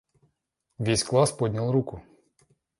Весь класс поднял руку.